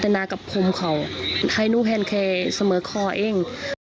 แต่น่ากับภูมิเขาให้หนูเห็นแค่เสมอคอเอง